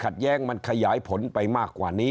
คล้ายสภาพสงกรานเพราะว่าต้องเสียเวลาอยู่ตรงนี้